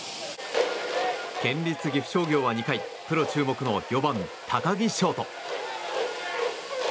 県立岐阜商業は２回プロ注目の４番、高木翔斗。